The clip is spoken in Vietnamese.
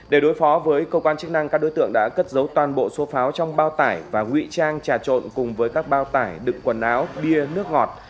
để đối phó với cơ quan chức năng các đối tượng đã cất giấu toàn bộ số pháo trong bao tải và nguy trang trà trộn cùng với các bao tải đựng quần áo bia nước ngọt